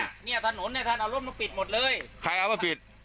ทะนศน๔น่ะท่านเอารถมาปิดหมดเลย